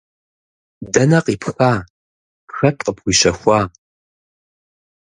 Дэнэ къипха, хэт къыпхуищэхуа?!